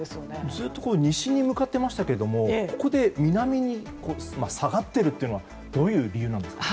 ずっと西に向かっていましたけどここで南に下がっているというのはどういう理由なんですか。